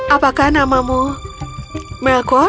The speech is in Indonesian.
apakah namamu melkor